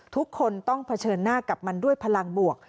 ทุกคนต้องเผชิญหน้ากับมันด้วยพลังบวก